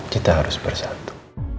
kita harus bersatu